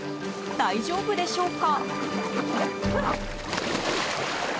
大丈夫でしょうか。